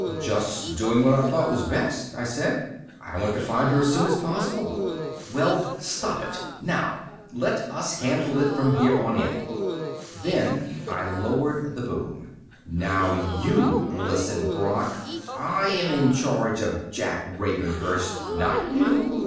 "Just doing what I thought was best," I said. "I want to find her as soon as possible." "Well, stop it! Now! Let us handle it from here on in!" Then I lowered the boom. "Now you listen, Brock. I am in charge of Jack Ravenhurst, not you.